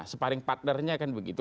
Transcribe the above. separing partnernya kan begitu